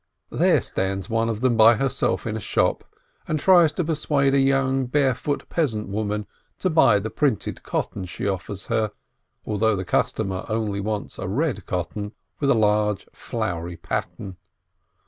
There stands one of them by herself in a shop, and tries to persuade a young, barefoot peasant woman to buy the printed cotton she offers her, although the customer only wants a red cotton with a large, flowery pattern.